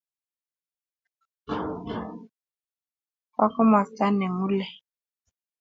bo komosta ne ngulei